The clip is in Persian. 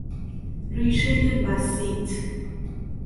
ریشهی بسیط